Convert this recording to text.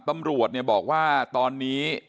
ตำรวจบอกว่าตอนนี้